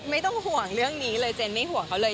ไม่ต้องห่วงเรื่องนี้เลยเจนไม่ห่วงเขาเลย